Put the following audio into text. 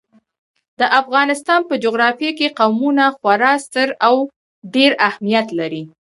د افغانستان په جغرافیه کې قومونه خورا ستر او ډېر اهمیت لري.